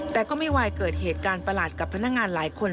แต่ก็ไม่ไหวเกิดเหตุการณ์ประหลาดกับพนักงานหลายคน